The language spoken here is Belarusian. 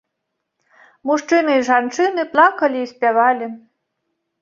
Мужчыны і жанчыны плакалі і спявалі.